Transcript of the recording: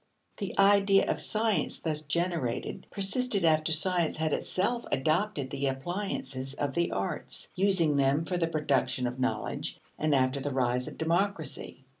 The idea of science thus generated persisted after science had itself adopted the appliances of the arts, using them for the production of knowledge, and after the rise of democracy.